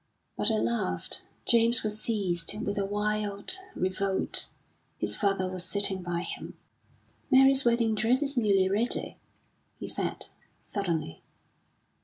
But at last James was seized with a wild revolt. His father was sitting by him. "Mary's wedding dress is nearly ready," he said, suddenly.